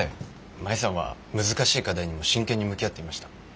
舞さんは難しい課題にも真剣に向き合っていました。